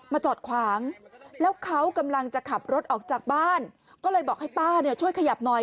จอดขวางแล้วเขากำลังจะขับรถออกจากบ้านก็เลยบอกให้ป้าเนี่ยช่วยขยับหน่อย